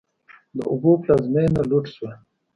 د اویو پلازمېنه لوټ شوه.